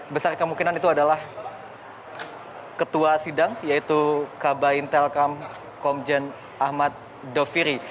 besar kemungkinan itu adalah ketua sidang yaitu kabain telkom komjen ahmad doviri